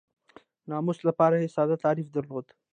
ناموس لپاره یې ساده تعریف درلود.